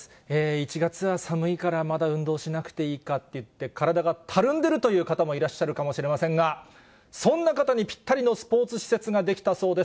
１月は寒いから、まだ運動しなくていいかっていって、体がたるんでいるという方もいらっしゃるかもしれませんが、そんな方にピッタリのスポーツ施設が出来たそうです。